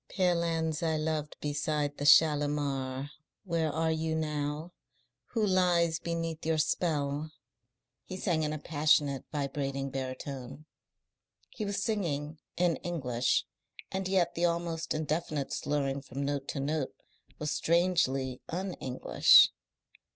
"Pale hands I loved beside the Shalimar. Where are you now? Who lies beneath your spell?" he sang in a passionate, vibrating baritone. He was singing in English, and yet the almost indefinite slurring from note to note was strangely un English.